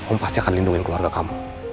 om pasti akan lindungi keluarga kamu